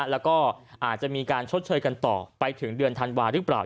แล้วก็อาจจะมีการชดเชยกันต่อไปถึงเดือนธันวาหรือเปล่า